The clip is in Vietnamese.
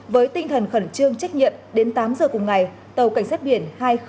với tinh thần khẩn trương trách nhiệm đến tám giờ cùng ngày tàu cảnh sát biển hai nghìn một